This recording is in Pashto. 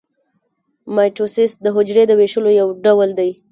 مایټوسیس د حجرې د ویشلو یو ډول دی